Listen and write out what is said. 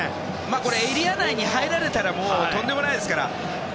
エリア内に入られたらとんでもないですから。